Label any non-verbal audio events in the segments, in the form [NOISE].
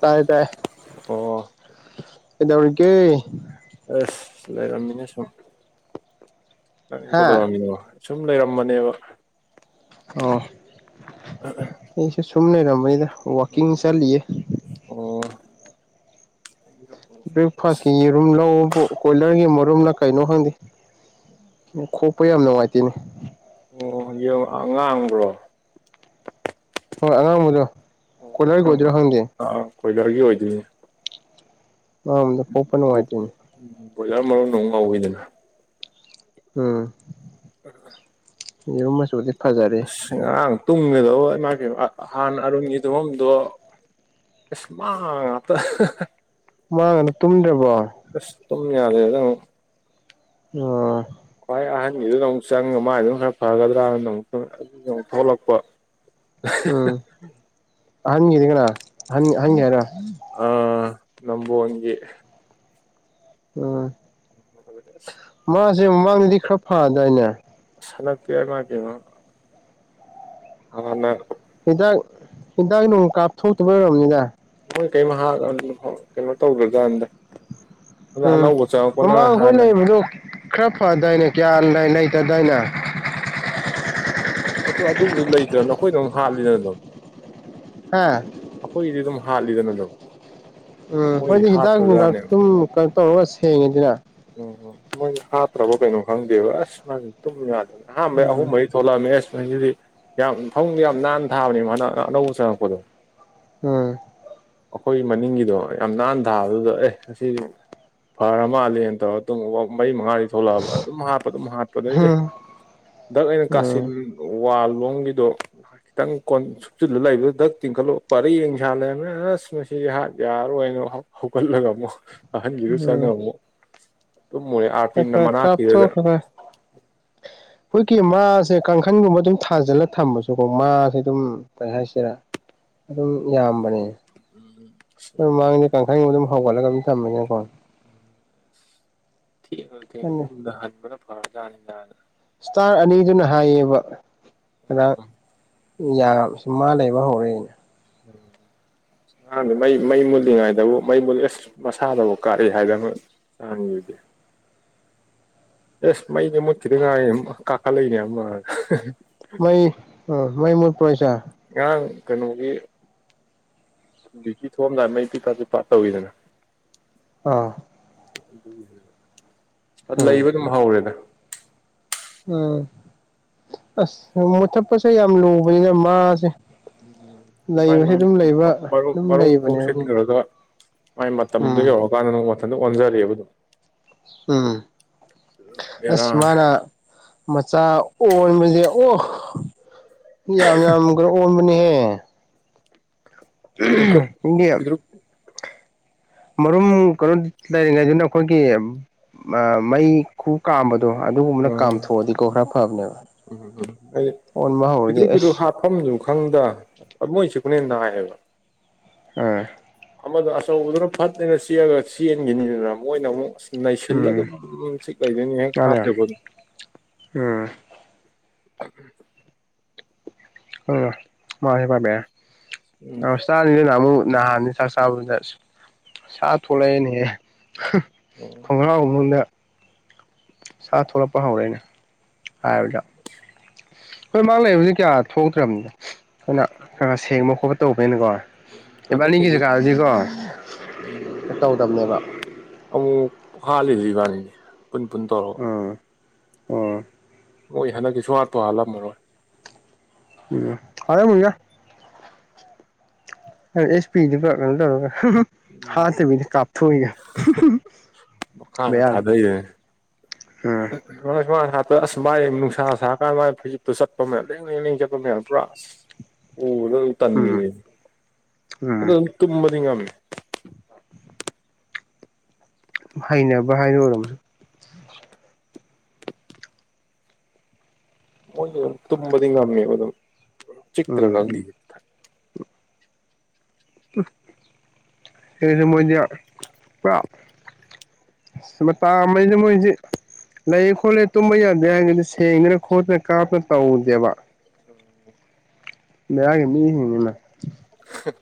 ꯇꯥꯏ ꯇꯥꯏ ꯑꯣ ꯀꯩꯗꯧꯔꯤꯒ‌ꯦ ꯑꯦꯁ ꯂꯩꯔꯝꯃꯤꯅꯦ ꯁꯨꯝ ꯅꯪꯗꯤ ꯍꯥ ꯀꯩꯗꯧꯔꯝꯃꯤꯅꯣ ꯁꯨꯝ ꯂꯩꯔꯝꯕꯅꯦꯕ ꯑꯣ [UNINTELLIGIBLE] ꯑꯩꯁꯨ ꯁꯨꯝ ꯂꯩꯔꯝꯝꯕꯅꯤꯗ ꯋꯥꯀꯤꯡ ꯆꯠꯂꯤꯌꯦ ꯑꯣ ꯑꯁ ꯕ꯭ꯔꯦꯛꯐꯥꯁꯀꯤ ꯌꯦꯔꯨꯝ ꯂꯧꯕꯨ ꯀꯣꯏꯂꯔꯒꯤ ꯃꯔꯨꯝꯂꯥ ꯀꯩꯅꯣ ꯈꯪꯗꯦ [UNINTELLIGIBLE] ꯅꯨꯡꯉꯥꯏꯇꯦꯅꯦ ꯑꯣ ꯌꯦꯔꯨꯝ ꯑꯉꯥꯡꯕ꯭ꯔꯣ ꯍꯣꯏ ꯑꯉꯥꯡꯕꯗꯣ ꯑꯣ ꯀꯣꯏꯂꯔꯒꯤ ꯑꯉꯥꯡꯕ ꯑꯣꯏꯗꯣꯏꯔꯥ ꯈꯪꯗꯦ ꯑꯥ ꯀꯣꯏꯂꯔꯒꯤ ꯑꯣꯏꯗꯣꯏꯅꯦ ꯑꯥ ꯐꯣꯞꯄ ꯅꯨꯡꯉꯥꯏꯇꯦꯅꯦ ꯎꯝ ꯕ꯭ꯔꯣꯏꯂꯔ ꯃꯔꯨꯝꯅ ꯑꯃꯨꯛ ꯉꯧꯋꯤꯗꯅ ꯎꯝ ꯌꯦꯔꯨꯝ ꯃꯆꯨꯁꯦ ꯑꯁ ꯉꯔꯥꯡ ꯇꯨꯝꯒꯗꯧꯕ ꯏꯃꯥꯏ ꯄꯦꯝꯃ ꯍꯥꯟꯅ ꯑꯔꯨꯟꯒꯤ ꯇꯨꯝꯕꯝꯗꯣ ꯑꯁ ꯃꯥ ꯉꯥꯛꯇꯥ ꯃꯥꯥꯒꯅ ꯇꯨꯝꯗ꯭ꯔꯕꯣ ꯑꯁ ꯇꯨꯝ ꯌꯥꯗꯦꯗ ꯑꯃꯨꯛ ꯑꯣ ꯈ꯭ꯋꯥꯏ ꯑꯍꯟꯒꯤꯗꯨꯗ ꯑꯃꯨꯛ ꯆꯪꯉꯒ ꯃꯥꯏ ꯑꯗꯨꯅ ꯈꯔ ꯐꯒꯗ꯭ꯔꯥꯅ ꯑꯃꯨꯛ ꯑꯗꯨ ꯑꯃꯨꯛ ꯊꯣꯛꯂꯛꯄ ꯎꯝ ꯑꯍꯟꯈꯤꯗꯤ ꯀꯅꯥ ꯑꯍꯟ ꯑꯍꯟꯒꯤ ꯍꯥꯏꯔꯣ ꯑꯥ ꯅꯝꯕꯣꯜꯒꯤ ꯎꯝ [UNINTELLIGIBLE] ꯃꯥꯖꯦ ꯃꯃꯥꯡꯗꯗꯤ ꯈꯔ ꯐꯗꯥꯏꯅꯦ ꯑꯁ ꯍꯟꯗꯛꯇꯤ ꯏꯃꯥꯏꯄꯦꯝꯃ ꯍꯥꯟꯅ ꯍꯤꯗꯥꯛ ꯍꯤꯗꯥꯛ ꯅꯨꯡ ꯀꯥꯞꯊꯣꯛꯇꯕꯩ ꯑꯣꯏꯔꯝꯅꯤꯗ ꯃꯣꯏ ꯀꯩꯝ ꯍꯥꯠ [UNINTELLIGIBLE] ꯀꯩꯅꯣ ꯇꯧꯗ꯭ꯔꯖꯥꯅꯤꯗ ꯎꯝ ꯃꯃꯥꯡ ꯑꯈꯣꯏ ꯍꯥꯟꯅ ꯂꯩꯕꯗꯣ ꯈꯔ ꯐꯗꯥꯏꯅꯦ ꯀꯌꯥ ꯂꯩꯇꯗꯥꯏꯅꯦ ꯑꯗꯨ-ꯑꯗꯨꯕꯨꯗꯤ ꯂꯩꯇ꯭ꯔꯅ ꯑꯩꯈꯣꯏꯅ ꯑꯗꯨꯝ ꯍꯥꯜꯂꯤꯗꯅ ꯑꯗꯨꯝ ꯑꯥ ꯑꯩꯈꯣꯏꯒꯤꯗꯤ ꯑꯗꯨꯝ ꯍꯥꯠꯂꯤꯗꯅ ꯑꯗꯨꯝ ꯎꯝ ꯃꯣꯏꯗꯤ ꯍꯣꯏꯅꯦ ꯍꯤꯗꯥꯛ ꯅꯨꯡꯗꯥꯛꯁꯨ ꯍꯥꯠꯇ꯭ꯔꯖꯥꯠꯅꯦꯕ ꯑꯗꯨꯝ ꯀꯩꯅꯣ ꯇꯧꯔꯒ ꯁꯦꯡꯉꯤꯗꯅ ꯎꯝ ꯃꯣꯏ ꯍꯥꯞꯇ꯭ꯔꯕ ꯀꯩꯅꯣ ꯈꯪꯗꯦꯕ ꯑꯁ ꯃꯥꯏ ꯇꯨꯝ ꯌꯥꯗꯗꯅ ꯑꯍꯥꯟꯕꯩ ꯑꯍꯨꯝ ꯎꯝ ꯃꯔꯤ ꯊꯣꯛꯂꯝꯃꯤ ꯑꯦꯁ ꯃꯁꯤꯗꯤ ꯌꯥꯝ ꯐꯃꯨꯡꯗꯣ ꯌꯥꯝ ꯅꯥꯟꯅ ꯊꯥꯕꯅꯦ ꯍꯟꯗꯛ ꯑꯅꯧꯕ ꯆꯪꯉꯛꯄꯗꯣ ꯎꯝ ꯑꯩꯈꯣꯏ ꯃꯅꯤꯡꯒꯤꯗꯣ ꯌꯥꯝ ꯅꯥꯟ ꯊꯥꯕꯗꯨꯗ ꯑꯦ ꯑꯁꯤꯗꯤ ꯐꯔ ꯃꯥꯜꯂꯦꯅ ꯇꯧꯔꯒ ꯇꯨꯝꯃꯨꯕꯨ ꯃꯔꯤ ꯃꯉꯥꯗꯤ ꯊꯣꯛꯂꯛꯑꯕ ꯑꯗꯨꯝ ꯍꯥꯠꯄ ꯑꯗꯨꯝ ꯍꯥꯠ ꯑꯗꯩꯗꯤ ꯗꯛ ꯑꯩꯅ ꯀꯥꯁꯤꯜ ꯎꯝ ꯋꯥꯜ ꯂꯣꯝꯒꯤꯗꯣ ꯈꯤꯇꯪ ꯀꯣꯟ ꯁꯨꯞꯆꯤꯜꯂꯥ ꯂꯩꯕꯗꯨꯗ ꯗꯛ ꯇꯤꯡꯈꯠꯂꯨꯕ ꯄꯔꯦꯡ ꯁꯥꯜꯅ ꯂꯩꯔꯝꯃꯦ ꯑꯁ ꯃꯁꯤꯗꯤ ꯍꯥꯠ ꯌꯥꯔꯣꯏꯅ ꯍꯧꯒꯠꯂꯒ ꯑꯃꯨꯛ ꯑꯍꯟꯒꯤꯗꯨ ꯎꯝ ꯆꯪꯉ ꯑꯃꯨꯛ ꯇꯨꯝꯃꯨꯔꯦ ꯈꯔ ꯑꯔꯄꯤꯜ ꯈꯔ ꯃꯅꯥꯛꯀꯤꯗꯨꯗ ꯀꯥꯞꯊꯣꯛꯈ꯭ꯔꯒ ꯑꯩꯈꯣꯏꯒꯤ ꯃꯥꯁꯦ ꯀꯥꯡꯈꯟꯒꯨꯝꯕ ꯑꯗꯨꯝ ꯊꯥꯖꯤꯜꯂꯥ ꯊꯝꯕꯁꯨꯀꯣ ꯃꯥꯁꯦ ꯑꯗꯨꯝ ꯀꯩ ꯍꯥꯏꯁꯤꯔꯥ ꯑꯗꯨꯝ ꯌꯥꯝꯕꯅꯦ ꯎꯝ ꯑꯗꯨ ꯃꯥꯡꯗ ꯀꯥꯡꯈꯜꯒꯨꯝꯕ ꯑꯗꯨꯝ ꯍꯧꯒꯠꯂꯒ ꯑꯗꯨꯝ ꯊꯝꯃꯤꯅꯦꯀꯣ ꯊꯦꯡꯉꯖꯨ ꯊꯦꯡꯅ ꯈꯪꯗꯦ ꯌꯨꯝꯗ ꯍꯟꯕꯅ ꯐꯔꯖꯥꯠꯅꯤꯗꯅ ꯁ꯭ꯇꯥꯔ ꯈꯟꯕꯅꯤ ꯑꯅꯤꯗꯨꯅ ꯍꯥꯏꯌꯦꯕ ꯉꯔꯥꯡ ꯎꯝ ꯌꯥꯝ ꯁꯤ ꯃꯥ ꯂꯩꯕ ꯍꯧꯔꯛꯑꯅꯦ꯫ ꯎꯝ ꯅꯍꯥꯟꯗꯤ ꯃꯩ ꯃꯩ ꯃꯨꯜꯂꯤꯉꯩꯗꯕꯨ ꯃꯩ ꯃꯨꯜꯂꯤ ꯑꯁ ꯃꯁꯥꯗꯕꯨ ꯀꯥꯔꯤ ꯍꯥꯏꯗꯅ ꯍꯗꯤ ꯑꯦꯁ ꯃꯩꯗꯤ ꯃꯇꯤꯗꯉꯥꯏ ꯀꯥꯀꯥ ꯂꯩꯅꯦ ꯃꯣꯏ ꯃꯣꯏ ꯃꯠ ꯄꯣꯏꯁꯥ ꯌꯥ ꯀꯩꯅꯣꯒꯤ ꯊꯣꯑꯝꯗꯥꯏ ꯃꯩ ꯇꯤꯄꯥꯁꯨ ꯄ ꯇꯧꯤꯗꯅ ꯑꯥ ꯑ ꯎꯝ ꯂꯩꯕ ꯑꯗꯨꯝ ꯍꯧꯔꯦꯗ ꯎꯝ ꯑꯁ ꯃꯨꯊꯠꯄꯁꯦ ꯌꯥꯝ ꯂꯨꯕꯅꯤꯅ ꯃꯥꯁꯦ ꯎꯝ ꯃꯥꯏꯥꯏ ꯂꯩꯕꯁꯦ ꯑꯗꯨꯝ ꯂꯩꯕ ꯑꯗꯨꯝ ꯃꯔꯨꯝ ꯂꯩꯕꯅꯦꯕ ꯀꯣꯛꯁꯤꯟꯈ꯭ꯔꯗ ꯃꯥꯏ ꯃꯇꯝꯗꯨ ꯎꯝ ꯌꯧꯔꯛꯀꯥꯟꯗ ꯅꯪ ꯃꯊꯟꯇ ꯑꯣꯟꯖꯔꯤꯑꯕꯗꯣ ꯎꯝ ꯑꯁ ꯕꯦꯔꯥꯅꯤ ꯃꯥꯅ ꯃꯆꯥ ꯑꯣꯟꯕꯁꯦ ꯑꯣꯍ ꯌꯥꯝ ꯌꯥꯝꯈ꯭ꯔꯦ ꯑꯣꯟꯕꯅꯦꯍꯦ ꯨ ꯀ ꯅꯪꯒꯤ ꯃꯔꯨꯝ ꯀꯩꯅꯣ ꯂꯩꯔꯤꯉꯩꯗꯨꯅ ꯑꯩꯈꯣꯏꯒꯤ ꯃꯩ ꯈꯨ ꯀꯥꯝꯕꯗꯣ ꯑꯗꯨꯒꯨꯝꯕꯅ ꯎꯝ ꯀꯥꯝꯊꯣꯛꯑꯗꯤꯀꯣ ꯈꯔ ꯐꯕꯅꯦꯕ ꯎꯝ ꯑꯣꯟ ꯃꯥ ꯍꯔꯗꯤꯦ ꯑꯦꯁ ꯃꯐꯝꯗꯨ ꯈꯪꯗ ꯃꯣꯏꯁꯤꯦ ꯑꯩꯅꯦꯟ ꯅꯥꯏꯌꯦꯕ ꯑꯥ ꯑꯃꯗ ꯑꯆꯧꯕꯗꯨꯅ ꯐꯠꯇꯦꯅ ꯆꯦꯜꯑꯒ ꯆꯦꯟꯈꯤꯅꯤꯗꯅ ꯃꯣꯏꯅ ꯑꯃꯨꯛ ꯅꯩꯁꯤꯜꯂꯒ ꯎꯝ ꯑꯗꯨꯝ ꯁꯤꯤꯛ ꯂꯩꯗꯣꯏꯅꯤ ꯍꯦꯛ ꯃꯥꯅꯦ ꯍꯥꯞ꯭ꯔꯦꯕꯣ ꯎꯝ ꯎ ꯑꯣ ꯃꯕ ꯦꯔ ꯑ ꯎꯝ ꯆ ꯑꯃꯨ ꯅꯅꯥꯍꯅꯤ ꯁꯥ ꯁ ꯁ ꯊꯣꯂꯥꯏꯅꯦꯍꯦ ꯈꯣꯡꯒ꯭ꯔꯥꯎꯒꯗ ꯁꯥ ꯊꯣꯛꯂꯛꯄ ꯍꯧꯔꯏꯅꯦ ꯍꯥꯏꯕꯗ ꯍꯣꯏ ꯃꯥ ꯂꯩꯕꯕꯁꯤ ꯀꯌꯥ ꯊꯣꯛꯇ꯭ꯔꯕꯅꯤꯅ ꯑꯩꯈꯣꯏꯅ ꯈ ꯈꯔ ꯁꯦꯡꯕ ꯈꯣꯠꯄ ꯇꯧꯕꯅꯤꯅꯀꯣ ꯏꯕꯥꯅꯤꯒꯤ ꯍꯟꯗꯛꯀꯤꯗꯤ ꯖꯒꯥꯗꯗꯤꯀꯣ ꯎꯝ ꯇꯧꯗꯕꯅꯦꯕ ꯑꯃꯨꯛ ꯍꯥꯂꯤꯁꯤ ꯏꯕꯥꯅꯤꯅꯦ ꯄꯨꯟ ꯄꯨꯟ ꯇꯧꯔꯛꯑꯣ ꯑꯥ ꯑꯣ ꯅꯣꯏ ꯍꯟꯗꯛꯤꯁꯨ ꯍꯥꯠꯄ ꯍꯥꯜꯂꯝꯃꯔꯣꯏ ꯎꯝ ꯑꯔꯦ ꯦ ꯑꯦꯁ ꯄꯤꯗꯨꯕ ꯀꯩꯅꯣ ꯇꯧꯔꯒ ꯍꯥꯥ ꯇ ꯃꯤꯗꯤ ꯀꯞꯊꯏꯒ ꯃꯈꯥꯗ ꯃꯅ ꯎꯝ ꯃꯥ ꯃꯥ ꯁꯥꯄ ꯑꯁ ꯃꯥꯥꯏ ꯅꯨꯡꯁꯥ ꯁꯥꯔꯀꯥꯟꯗ ꯃꯥꯒꯤ ꯐꯤꯖꯤꯠꯇꯨ ꯆꯠꯄ ꯃꯌꯥꯝ ꯂꯦꯡ ꯂꯦꯡ ꯂꯦꯡ ꯆꯠꯄ ꯃꯌꯥꯝ ꯄꯨꯔꯥ ꯑꯣ ꯑꯗꯨ ꯑꯗꯨ ꯇꯅꯤ ꯎꯝ ꯑ ꯎꯝ ꯇꯨꯝꯃꯗꯤ ꯉꯃꯤ ꯍꯩꯅꯕ ꯍꯥꯏꯅ ꯑꯣꯏꯔꯝꯁꯨ ꯃꯣꯏ ꯇꯨꯝꯕꯗꯤ ꯉꯝꯃꯦꯕ ꯑꯗꯨꯝ ꯎꯝ ꯆꯤꯛꯇ꯭ꯔꯒꯗꯤ ꯃꯣꯏꯗꯤ ꯀ ꯁ ꯇꯥꯃꯩꯁ ꯃꯣꯏꯁꯤ ꯂꯩꯌꯦ ꯈꯣꯠꯂꯦ ꯇꯨꯝꯕ ꯌꯥꯗꯦ ꯒꯤꯗꯤ ꯁꯦꯡꯗꯅ ꯈꯣꯠꯇꯅ ꯀꯥꯞꯅ ꯇꯧꯗꯦꯕ ꯎꯝ ꯂ ꯀ ꯃꯤ ꯍꯅꯤꯅ ꯍ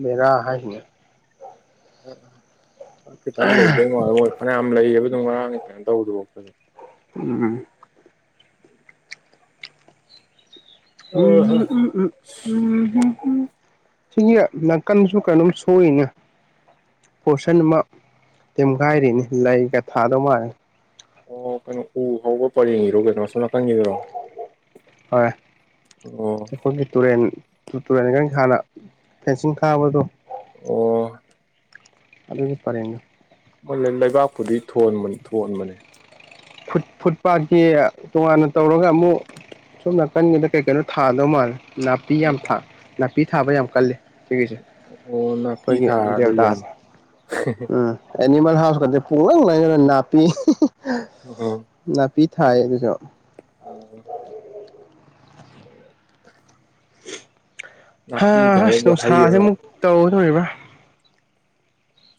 ꯃꯦꯗꯥ ꯑꯍꯥꯏ ꯍꯅ ꯐꯠꯇꯦ ꯐꯅ ꯂꯩꯗꯧ ꯃꯥꯜ ꯃꯣꯏ ꯐꯅꯌꯥꯝ ꯂꯩꯌꯦꯕ ꯑꯗꯨꯝ ꯉꯔꯥꯡꯅ ꯀꯩꯅꯣ ꯇꯧꯕꯗꯨꯕꯣꯛꯇ ꯎꯝ ꯎꯝ ꯑꯍ [INAUDIBLE] ꯁꯤꯒꯤ ꯅꯥꯀꯟꯁꯨ ꯀꯩꯅꯣꯝ ꯁꯣꯛꯏꯅꯦ ꯐꯣꯔꯁꯟ ꯑꯃ ꯇꯦꯝꯒꯥꯏꯔꯤꯅꯤ ꯂꯩꯒ ꯊꯥꯗꯧ ꯃꯥꯜꯂꯦ ꯑꯣ ꯀꯩꯅꯣ ꯎ ꯍꯧꯕ ꯄꯔꯦꯡꯒꯤꯔꯣ ꯀꯩꯅꯣ ꯁꯣꯝ ꯅꯥꯀꯟꯒꯤꯗꯨꯔꯣ ꯍꯣꯏ ꯑꯣ ꯑꯩꯈꯣꯏꯒꯤ ꯇꯨꯔꯦꯟ ꯇꯨꯔꯦꯜ [UNINTELLIGIBLE] ꯐꯦꯟꯁꯤꯡ ꯈꯥꯕꯗꯣ ꯑꯣ ꯑꯗꯨꯒꯤ ꯄꯔꯦꯡꯗꯣ ꯃꯣꯏ ꯂꯩ ꯂꯩꯕꯥꯛꯄꯨꯗꯤ ꯊꯣꯟꯕꯅꯦ ꯊꯣꯟꯕꯅꯦ ꯐꯨꯠ ꯐꯨꯠ ꯄꯥꯠꯀꯤ ꯇꯣꯉꯥꯟꯅ ꯇꯧꯔꯒ ꯑꯃꯨꯛ ꯁꯣꯝ ꯅꯥꯀꯟꯒꯤꯗ ꯀꯩ ꯀꯩꯅꯣ ꯊꯥꯗꯧ ꯃꯥꯜꯂꯦ ꯅꯥꯄꯤ ꯌꯥꯝ ꯑꯣ ꯊꯥ ꯅꯥꯄꯤ ꯊꯥꯕ ꯌꯥꯝ ꯀꯜꯂꯦ ꯁꯤꯒꯤꯁꯦ ꯑꯣ ꯅꯥꯄꯤ ꯑꯩꯈꯣꯏꯒꯤ ꯗꯦꯕꯇꯥꯥꯁꯦ ꯊꯥꯗꯣꯏꯖꯥꯠꯂꯣ ꯎꯝ ꯑꯦꯅꯤꯃꯜ ꯍꯥꯎꯁꯀꯗꯤ ꯄꯨꯛꯂꯪ ꯂꯪꯑꯦꯅꯦ ꯅꯥꯄꯤ ꯎꯝ ꯅꯥꯄꯤ ꯊꯥꯏ ꯑꯗꯨꯁꯨ ꯑꯣ [INAUDIBLE] ꯅꯥꯄꯤ ꯊꯥꯕꯗ ꯅꯨꯡꯁꯥꯁꯦ ꯍꯩꯔ ꯑꯃꯨꯛ ꯇꯧꯒꯗꯣꯔꯤꯕ꯭ꯔꯥ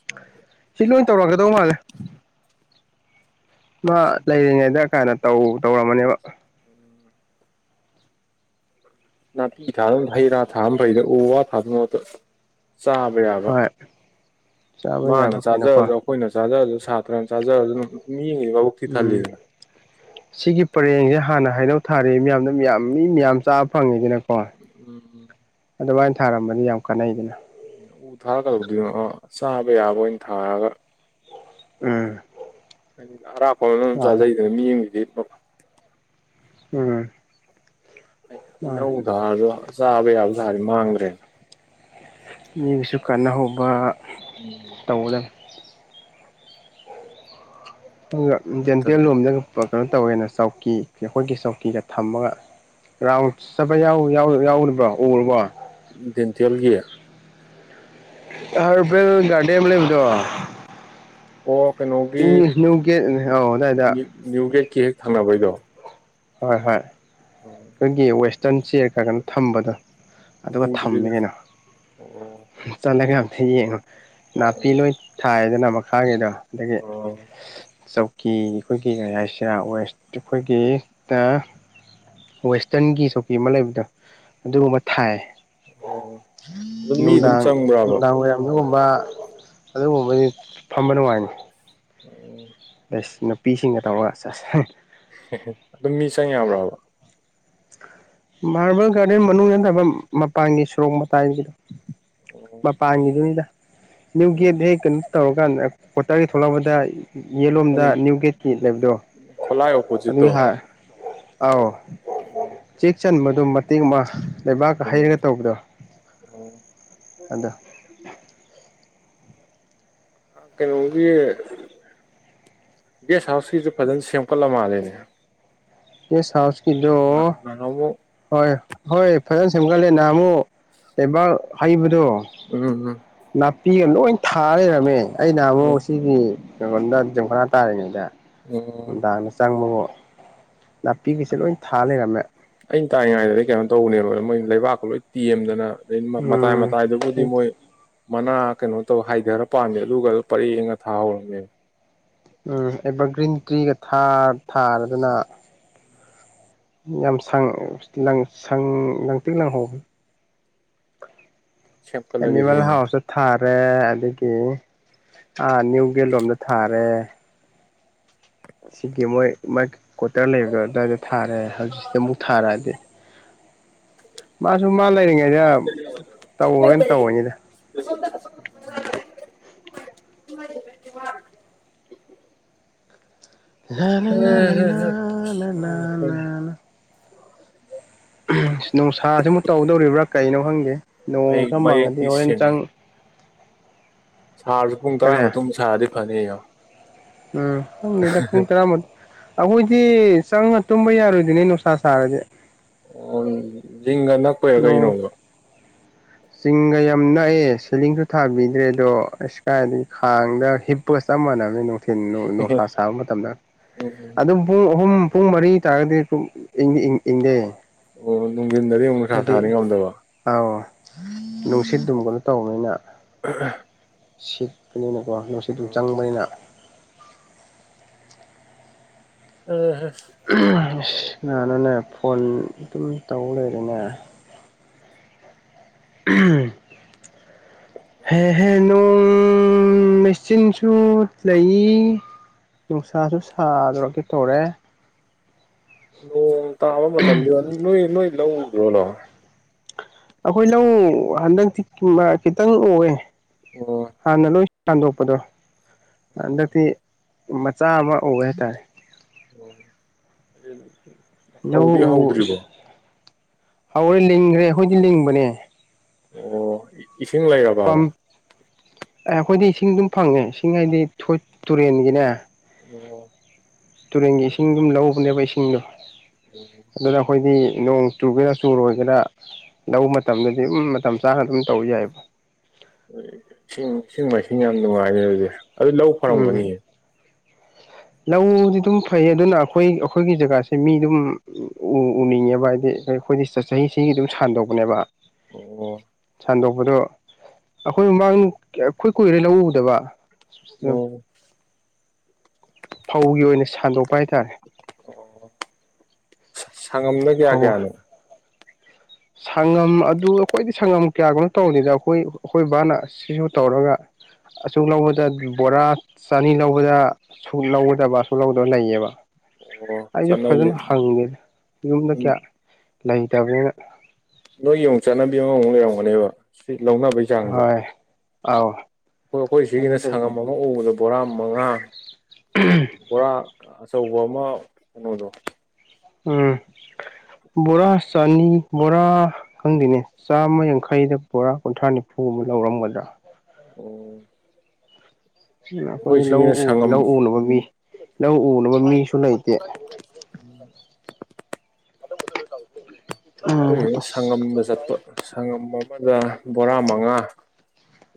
[INAUDIBLE] ꯁꯤ ꯂꯣꯏ ꯇꯧꯔꯛꯀꯗꯧ ꯃꯥꯜꯂꯦ ꯃꯥ ꯂꯩꯔꯤꯉꯩꯗ ꯀꯥꯏꯅ ꯇꯧ ꯇꯧꯔꯝꯃꯅꯦꯕ [INAUDIBLE] ꯅꯥꯄꯤ ꯊꯥꯗꯧ ꯍꯩ ꯔꯥ ꯊꯥꯕꯅ ꯐꯩꯗ ꯎ ꯋꯥ ꯊꯥꯗꯧ ꯃꯍꯨꯠꯇ ꯆꯥꯕ ꯌꯥꯕ ꯍꯣꯏ ꯆꯥꯕ ꯃꯥꯅ ꯌꯥꯕ ꯀꯩꯅꯣꯀꯣ ꯆꯥꯔꯖꯔꯖꯨ ꯑꯈꯣꯏꯅ ꯆꯥꯔꯖꯔꯖꯨ ꯁꯥꯇ꯭ꯔꯅ ꯆꯥꯔꯖꯔꯖꯨ ꯃꯤ ꯑꯃꯒꯤ ꯃꯕꯨꯛꯇꯤ ꯎꯝ ꯊꯜꯂꯤꯗꯅ ꯁꯤꯒꯤ ꯄꯔꯦꯡꯁꯦ ꯍꯥꯟꯅ ꯍꯥꯏꯅꯧ ꯊꯥꯔꯦ ꯃꯤꯌꯥꯝꯅ ꯃꯌꯥꯝ ꯃꯤ ꯃꯌꯥꯝ ꯆꯥꯕ ꯐꯪꯉꯤꯗꯅꯀꯣ ꯎꯝ ꯑꯗꯨꯃꯥꯏꯅ ꯊꯥꯔꯝꯃꯗꯤ ꯌꯥꯝ ꯀꯥꯟꯅꯩꯗꯅ ꯎ ꯊꯥꯔ ꯀꯩꯗꯧꯗꯣꯏꯅꯣ ꯑꯣ ꯆꯥꯕ ꯌꯥꯕ ꯑꯣꯏꯅ ꯊꯥꯔꯒ ꯎꯝ ꯍꯥꯏꯗꯤ ꯑꯔꯥꯞꯄ ꯑꯃꯅ ꯑꯗꯨꯝ ꯃꯥꯅꯦ ꯆꯥꯖꯩꯗꯅ ꯃꯤ ꯑꯃꯒꯤꯗꯦ ꯐꯝ ꯎꯝ ꯃꯥꯅꯦ ꯏꯅꯧ ꯊꯥꯔꯁꯨ ꯆꯥꯕ ꯌꯥꯕ ꯊꯥꯔꯗꯤ ꯃꯥꯡꯗ꯭ꯔꯦ ꯃꯤꯒꯤꯁꯨ ꯀꯥꯟꯅꯍꯧꯕ [UNINTELLIGIBLE] ꯇꯧꯒꯗꯝ ꯗꯦꯟꯇꯦꯜ ꯅꯠꯇ꯭ꯔꯗꯤ ꯂꯣꯝꯗꯒ ꯀꯩꯅꯣ ꯇꯧꯋꯦꯅ ꯆꯧꯀꯤ ꯑꯩꯈꯣꯏꯒꯤ ꯆꯧꯀꯤꯒ ꯊꯝꯃꯒ ꯔꯥꯎꯟ ꯆꯠꯄ ꯌꯥꯎꯔꯤꯕ꯭ꯔꯣ ꯎꯔꯕꯣ ꯗꯦꯟꯇꯦꯜꯒꯤ ꯍꯔꯕꯦꯜ ꯒꯥꯔꯗꯦ ꯑꯃ ꯂꯩꯕꯗꯣ ꯑꯣ ꯀꯩꯅꯣꯒꯤ ꯅ꯭ꯌꯨ ꯒꯦꯠ ꯑꯧ ꯑꯗꯥꯏꯗ ꯅ꯭ꯌꯨ ꯒꯦꯠꯀꯤ ꯍꯦꯛ ꯊꯪꯅꯕꯩꯗꯣ ꯍꯣꯏ ꯍꯣꯏ ꯑꯩꯈꯣꯏꯒꯤ ꯋꯦꯁꯇꯔꯟ ꯆꯦ ꯈꯔ ꯈꯔ ꯊꯝꯕꯗꯣ ꯑꯗꯨꯒ ꯊꯝꯃꯦ ꯎꯗ꯭ꯔꯤꯗ ꯀꯩꯅꯣ ꯑꯣ ꯆꯠꯂꯒ ꯑꯝꯇ ꯌꯦꯡꯉꯣ ꯅꯥꯄꯤ ꯂꯣꯏ ꯊꯥꯏꯗꯅ ꯃꯈꯥꯒꯤꯗꯣ ꯑꯗꯒꯤ ꯑꯣ ꯆꯧ ꯀꯤ ꯑꯩꯈꯣꯏꯒꯤ ꯀꯔꯤ ꯍꯥꯏꯁꯤꯔ ꯋꯦꯁ ꯑꯩꯈꯣꯏꯒꯤ ꯇ ꯋꯦꯁꯇꯔꯟꯒꯤ ꯆꯧꯀꯤ ꯑꯃ ꯂꯩꯕꯗꯣ ꯑꯗꯨꯒꯨꯝꯕ ꯊꯥꯏ ꯑꯣ ꯑꯗꯨꯝ ꯃꯤ ꯑꯗꯨꯝ ꯅꯨꯡꯗꯥꯡ ꯆꯪꯕ꯭ꯔꯕ ꯅꯨꯡꯗꯥꯡ ꯋꯥꯔꯝ ꯗꯒꯨꯝꯕ ꯑꯗꯨꯒꯨꯝꯕꯗꯤ ꯐꯝꯕ ꯅꯨꯡꯉꯥꯏꯅꯤ ꯑꯣ ꯅꯨꯄꯤꯁꯤꯡꯒ ꯇꯧꯔꯒ ꯑꯗꯨꯝ ꯃꯤ ꯆꯪ ꯌꯥꯕ꯭ꯔꯕ ꯃꯥꯔꯕꯜ ꯒꯥꯔꯗꯦꯟ ꯃꯅꯨꯡ ꯅꯠꯇꯕ ꯃꯄꯥꯟꯒꯤ ꯁꯣꯔꯣꯛ ꯃꯇꯥꯏꯒꯤꯗꯣ ꯑꯣ ꯃꯄꯥꯥꯉꯗꯨꯗ ꯅꯨꯒꯦꯠꯗꯦꯛꯀꯨ ꯇꯧꯔꯀꯥꯟꯗ ꯀꯣꯇꯔꯒꯤ ꯊꯣꯛꯂꯛꯄꯗ ꯑꯣ ꯌꯦꯂꯣꯝꯗ ꯅ꯭ꯌꯨ ꯒꯦꯠꯀꯤ ꯂꯩꯕꯗꯣ ꯈꯣꯂꯥꯏ ꯑꯗꯨꯒꯤ ꯑꯣꯄꯣꯖꯤꯠꯇꯣ ꯍꯥꯔ ꯑꯥꯎ ꯎꯝ ꯆꯦꯛ ꯆꯟꯕꯗꯣ ꯃꯇꯦꯛ ꯑꯃ ꯂꯩꯕꯥꯛꯀ ꯑꯣ ꯍꯩꯔꯒ ꯇꯧꯕꯗꯣ ꯑꯗꯣ ꯑꯣ ꯀꯩꯅꯣꯒꯤ ꯒꯦꯁ ꯍꯥꯎꯁꯀꯤꯁꯨ ꯐꯖꯅ ꯁꯦꯝꯒꯠꯂ ꯃꯥꯜꯂꯦꯅꯦ ꯒꯥꯏ ꯍꯥꯎꯁ ꯀꯤꯗꯣ ꯅꯍꯥꯟꯃꯨꯛ ꯍꯣꯏ ꯍꯣꯏ ꯐꯖꯅ ꯁꯦꯝꯒꯠꯂꯦ ꯅꯍꯥꯟ ꯑꯃꯨꯛ ꯂꯩꯕꯥꯛ ꯍꯩꯕꯗꯣ ꯎꯝ ꯎꯝ ꯅꯥꯄꯤꯒ ꯂꯣꯏ ꯊꯥ ꯂꯩꯔꯝꯃꯦ ꯑꯩꯅ ꯎꯝ ꯑꯃꯨꯛ ꯁꯤꯗꯤ ꯑꯩꯒꯣꯟꯗ ꯌꯝꯈꯅꯥ ꯇꯥꯔꯤꯉꯩꯗ ꯑꯣ ꯅꯨꯡꯗꯥꯡꯗ ꯆꯪꯕꯒꯣ ꯅꯥꯄꯤꯒꯤꯁꯦ ꯂꯣꯏ ꯊꯥ ꯂꯩꯔꯝꯃꯦ ꯑꯩꯅ ꯇꯥꯏꯉꯩꯗꯗꯤ ꯀꯩꯅꯣ ꯇꯧꯕꯅꯦꯕ ꯃꯣꯏ ꯂꯩꯕꯥꯛꯀ ꯂꯣꯏ ꯇꯦꯝꯗꯅ ꯑꯗ ꯃꯇꯥꯏ ꯎꯝ ꯃꯇꯥꯏꯗꯨꯕꯨꯗꯤ ꯃꯣꯏ ꯃꯅꯥ ꯀꯩꯅꯣ ꯇꯧ ꯍꯥꯏꯊꯔ ꯄꯥꯝꯃꯦ ꯑꯗꯨꯒ ꯄꯔꯦꯡꯉ ꯊꯥꯍꯧꯔꯝꯃꯦꯕ ꯎꯝ ꯑꯦꯚꯔꯒ꯭ꯔꯤꯟ ꯇ꯭ꯔꯤꯒ ꯊꯥꯔꯗꯅ ꯌꯥꯝ ꯁ ꯂꯪꯇꯦꯡ ꯂꯪꯍꯧꯕꯦ ꯁꯦꯝꯀꯠꯂꯒ ꯍꯦ ꯑꯦꯅꯤꯕꯜ ꯍꯦ ꯍꯥꯎꯆ ꯊꯥꯔꯦ ꯑꯗꯒꯤ ꯅ꯭ꯌꯨ ꯒꯦ ꯂꯣꯝꯗ ꯊꯥꯔꯦ ꯁꯤꯒꯤ ꯃꯣꯏ ꯃꯥꯏ ꯀ꯭ꯋꯥꯇꯔ ꯂꯩꯕꯗꯣ ꯑꯗꯨꯋꯥꯏꯗ ꯊꯥꯔꯦ ꯍꯧꯖꯤꯛꯁꯤꯗ ꯑꯃꯨꯛ ꯊꯥꯔꯛꯑꯗꯤ [UNINTELLIGIBLE] ꯃꯥꯁꯨ ꯃꯥ ꯂꯩꯔꯤꯉꯩꯗ ꯇꯧꯔꯣꯏꯅ ꯇꯧꯅꯤꯗ [UNINTELLIGIBLE] ꯍꯦ ꯍꯣꯏ ꯍꯣꯏ [UNINTELLIGIBLE] ꯅꯨꯡꯁꯥꯁꯤꯃ ꯇꯧꯗꯧꯔꯤꯕ꯭ꯔꯥ ꯀꯩꯅꯣ ꯈꯪꯗꯦ ꯅꯣꯡ ꯃꯌꯦꯛ ꯈ ꯃꯥꯡꯉꯗꯤ ꯃꯌꯦꯛꯇꯤ ꯍꯣꯔꯦꯟ ꯁꯦꯡꯉꯦ ꯆꯥꯡ ꯁꯥꯔꯁꯨ ꯄꯨꯡ ꯀꯔꯤ ꯇꯔꯥꯒꯤ ꯃꯇꯨꯡ ꯁꯥꯔꯗꯤ ꯐꯅꯤ ꯎꯝ ꯈꯪꯗꯦꯗ ꯄꯨꯡ ꯇꯔꯥꯃꯥꯊꯣꯏ ꯑꯩꯈꯣꯏꯗꯤ ꯆꯪꯉ ꯇꯨꯝꯕ ꯌꯥꯔꯣꯏꯗꯣꯏꯅꯦ ꯅꯨꯡꯁꯥ ꯁꯥꯔꯗꯤ ꯑꯣ ꯖꯤꯡꯒ ꯅꯛꯄꯔ ꯅꯣꯡ ꯀꯩꯅꯣꯕ ꯆꯤꯡꯒ ꯌꯥꯝ ꯅꯛꯑꯦ ꯁꯤꯂꯤꯡꯁꯨ ꯊꯥꯕꯤꯗ꯭ꯔꯦ ꯑꯗꯣ ꯏꯁꯀꯥꯏꯗꯒꯤ ꯈꯥꯡꯗ ꯍꯤꯞꯄ ꯆꯞ ꯃꯥꯟꯅꯕꯅ ꯊ ꯣꯁꯥꯔ ꯁꯥꯕ ꯃꯇꯝꯗ ꯑꯗꯨꯝ ꯄꯨꯡ ꯑꯍꯨꯝ ꯄꯨꯡ ꯃꯔꯤ ꯇꯥꯔꯒꯗꯤ ꯄ ꯏꯪꯡ ꯏꯪꯡ ꯏꯪꯗꯦ ꯑꯣ ꯅꯨꯡꯊꯤꯟꯗꯗꯤ ꯑꯃꯨꯛ ꯅꯨꯡꯁꯥ ꯍꯥꯏꯗꯤ ꯁꯥꯔꯤ ꯉꯝꯗꯕ ꯑꯥꯎ ꯅꯨꯡꯁꯤꯠ ꯑꯗꯨꯝꯒꯅꯣ ꯇꯧꯕꯅꯤꯅ [UNINTELLIGIBLE] ꯁꯠꯄꯅꯤꯅꯀꯣ ꯅꯨꯡꯁꯤ ꯑꯗꯨꯝ ꯆꯪꯕꯅꯤꯅ ꯑꯍꯥ ꯀꯅꯥꯅꯣꯅꯦ ꯐꯣꯟ ꯑꯗꯨꯝ ꯇꯧꯕ ꯂꯩꯔꯦꯅꯦ ꯎꯝ ꯍꯦꯍꯦꯅꯣꯡ ꯎ ꯃꯦꯆꯤꯟꯁꯨ ꯂꯩ ꯅꯨꯡꯁꯥꯁꯨ ꯁꯥꯗꯣꯔꯒꯦ ꯇꯧꯔꯦ ꯑꯣ ꯇꯥꯕ ꯃꯇꯝꯝꯗꯤ ꯑꯗꯨꯅꯣ ꯏꯅꯣ ꯏꯂ ꯎꯎꯗ꯭ꯔꯣꯅꯣ ꯑꯩꯈꯣꯏ ꯂꯧ ꯍꯟꯗꯛꯇꯤ ꯈꯤꯃ ꯈꯤꯇꯥꯡ ꯎꯋꯣ ꯑꯣ ꯍꯥꯟꯅ ꯂꯣꯏ ꯍꯟꯗꯣꯛꯄꯗꯣ ꯍꯟꯗꯛꯇꯤ ꯃꯆꯥ ꯑꯃ ꯑꯣꯏ ꯍꯥꯏꯇꯥꯔꯦ ꯑꯣ ꯑꯗꯨ ꯂꯧ ꯎꯁ ꯍꯧꯔꯦ ꯂꯤꯡꯈ꯭ꯔꯦ ꯑꯩꯈꯣꯏꯗꯤ ꯂꯤꯡꯕꯅꯦ ꯑꯣ ꯏꯁꯤꯡ ꯂꯩꯔꯕꯕ ꯑꯦ ꯑꯩꯈꯣꯏꯗꯤ ꯏꯁꯤꯡ ꯑꯗꯨꯝ ꯐꯪꯉꯦ ꯏꯁꯤꯡ ꯍꯥꯏꯗꯤ ꯇꯨꯔꯦꯟꯒꯤꯅꯦ ꯑꯣ ꯇꯨꯔꯦꯟꯒꯤ ꯏꯁꯤꯡ ꯑꯗꯨꯝ ꯂꯧꯕꯅꯦꯕ ꯏꯁꯤꯡꯗꯣ ꯑꯗꯨꯗ ꯑꯩꯈꯣꯏꯗꯤ ꯅꯣꯡ ꯆꯨꯒꯦꯔꯥ ꯆꯨꯔꯣꯏꯒꯦꯔꯥ ꯂꯧ ꯃꯇꯝꯗꯗꯤ ꯑꯗꯨꯝ ꯃꯇꯝ ꯆꯥꯅ ꯑꯗꯨꯝ ꯇꯧ ꯌꯥꯏꯕ ꯏꯁꯤꯡ ꯏꯁꯤꯡ ꯃꯥꯏꯁꯤꯡ ꯌꯥꯝ ꯅꯨꯡꯉꯥꯏꯅꯦ ꯑꯗꯨꯗꯤ ꯑꯗꯨ ꯂꯧ ꯎꯝ ꯐꯔꯝꯒꯅꯤꯍꯦ ꯂꯧꯗꯤ ꯑꯗꯨꯝ ꯐꯩ ꯑꯗꯨꯅ ꯑꯩꯈꯣꯏ ꯑꯩꯈꯣꯏꯒꯤ ꯖꯒꯥꯁꯦ ꯃꯤ ꯑꯗꯨꯝ ꯎꯅꯤꯡꯉꯦꯕ ꯍꯥꯏꯗꯤ ꯑꯩꯈꯣꯏꯗꯤ ꯆꯍꯤ ꯆꯍꯤꯒꯤ ꯑꯗꯨꯝ ꯁꯥꯟꯗꯣꯛꯄꯅꯦꯕ ꯑꯣ ꯁꯟꯗꯣꯛꯄꯗꯣ ꯑꯩꯈꯣꯏ ꯃꯃꯥꯡ ꯑꯩꯈꯣꯏ ꯀꯨꯏꯔꯦ ꯂꯧ ꯎꯗꯕ ꯑꯣ ꯐꯧꯒꯤ ꯑꯣꯏꯅ ꯁꯟꯗꯣꯛꯄ ꯍꯥꯏꯇꯥꯔꯦ ꯑꯣ ꯁꯪꯉꯝꯗ ꯀꯌꯥ ꯐꯧ ꯀꯌꯥꯅꯣ ꯁꯪꯉꯝ ꯑꯗꯨ ꯑꯩꯈꯣꯏꯗꯤ ꯁꯪꯉꯝ ꯀꯌꯥꯒꯅꯣ ꯇꯧꯔꯤꯦꯗ ꯑꯩꯈꯣꯏ ꯑꯩꯈꯣꯏ ꯕꯥꯅ ꯁꯤꯁꯨ ꯇꯧꯔꯒ ꯑꯁꯨꯛ ꯂꯧꯕꯗ ꯕꯣꯔꯥ ꯆꯅꯤ ꯂꯧꯕꯗ ꯑ ꯂꯧꯒꯗꯕ ꯑꯁꯨꯛ ꯂꯧꯗꯕ ꯂꯩꯌꯦꯕ ꯑꯣ ꯑꯩꯁꯨ ꯆꯠꯅꯕꯤ ꯐꯖꯅ ꯍꯪꯗꯦ ꯌꯨꯝꯗ ꯀꯌꯥ ꯂꯩꯇꯕꯅꯤꯅ ꯅꯣꯏ ꯌꯦꯡꯉ ꯆꯥꯟꯅꯕꯤ ꯑꯃ ꯑꯃꯨꯛ ꯂꯩꯔꯝꯒꯅꯦꯕ ꯁꯤ ꯂꯧꯅꯕꯩꯁꯤ ꯍꯣꯏ ꯑꯥꯎ ꯑꯩꯈꯣꯏ ꯑꯩꯈꯣꯏ ꯑꯗꯨ ꯁꯤꯒꯤꯅ ꯂꯩꯕ ꯁꯪꯉꯝ ꯑꯃ ꯎꯕꯗ ꯕꯣꯔꯥ ꯃꯉꯥ ꯕꯣꯔꯥ ꯑꯆꯧꯕ ꯑꯃ ꯀꯩꯅꯣꯗꯣ ꯎꯝ ꯕꯣꯔꯥ ꯆꯅꯤ ꯕꯣꯔꯥ ꯈꯪꯗꯦꯅꯦ ꯆꯥꯝꯃ ꯌꯥꯡꯈꯩꯗ ꯕꯣꯔꯥ ꯀꯨꯟꯊ꯭ꯔꯥ ꯅꯤꯐꯨ ꯑꯃ ꯂꯧꯔꯝꯒꯗ꯭ꯔꯥ ꯑꯣ ꯎ ꯑꯩꯈꯣꯏꯗꯤ ꯂꯧ ꯁꯤꯒꯤꯅ ꯁꯪꯉꯝ ꯂꯧ ꯎꯅꯕ ꯃꯤ ꯂꯧ ꯎꯅꯕ ꯃꯤꯁꯨ ꯂꯩꯇꯦ ꯎꯝ ꯎꯝ ꯑꯩꯈꯣꯏꯒꯤꯅ ꯑꯁ ꯁꯪꯉꯝꯗ ꯆꯠꯄ ꯁꯪꯉꯝ ꯑꯃꯗ ꯕꯣꯔꯥ ꯃꯉꯥ